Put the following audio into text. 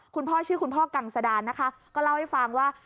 คุณพ่อชื่อคุณพ่อกังสดานนะคะก็เล่าให้ฟังว่า